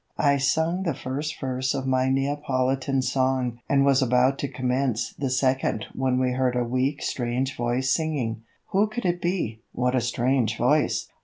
I sung the first verse of my Neapolitan song and was about to commence the second when we heard a weak strange voice singing. Who could it be? What a strange voice!